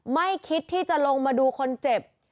ไม่คิดที่จะลงมาดูคนเจ็บ